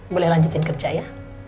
boleh lanjutin kerja ya